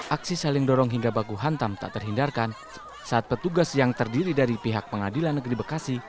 aksi saling dorong hingga baku hantam tak terhindarkan saat petugas yang terdiri dari pihak pengadilan negeri bekasi